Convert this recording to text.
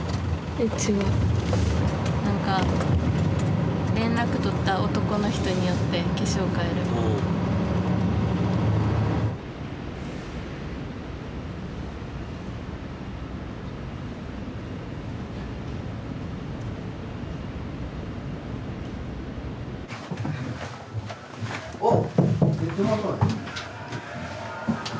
えっ違う何か連絡取った男の人によって化粧変えるおっ